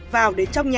vào đến trong nhà